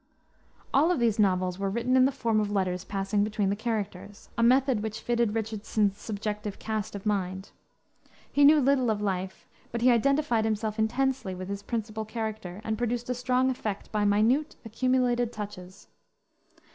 All of these novels were written in the form of letters passing between the characters, a method which fitted Richardson's subjective cast of mind. He knew little of life, but he identified himself intensely with his principal character and produced a strong effect by minute, accumulated touches.